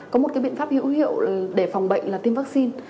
có một cái biện pháp hữu hiệu để phòng bệnh là tiêm vaccine